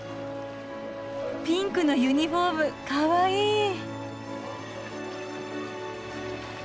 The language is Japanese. ピンクのユニフォームかわいい。